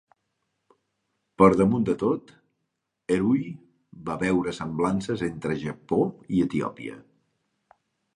Per damunt de tot, Heruy va veure semblances entre Japó i Etiòpia.